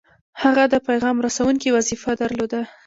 هغه د پیغام رسوونکي وظیفه درلوده.